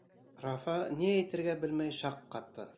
Рафа ни әйтергә белмәй шаҡ ҡатты.